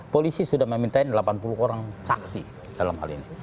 polisi sudah meminta delapan puluh orang saksi dalam hal ini